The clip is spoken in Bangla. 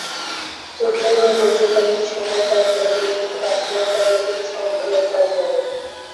যুদ্ধ এবং যুদ্ধকালীন সময়ে তার পর্যবেক্ষিত বাস্তবতা গভীর ছাপ ফেলে তার মনে।